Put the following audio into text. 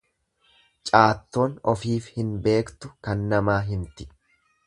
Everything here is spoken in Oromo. Caattoon ofiif hin beektu kan namaa himti.